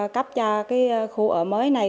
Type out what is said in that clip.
cắp cho cái khu ở mới này